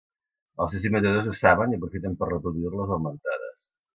Els seus imitadors ho saben i aprofiten per reproduir-les augmentades.